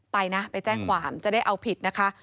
ไปนะไปแจ้งความจะได้เอาผิดนะคะ